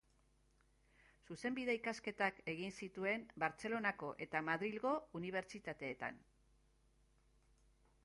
Zuzenbide-ikasketak egin zituen Bartzelonako eta Madrilgo unibertsitateetan.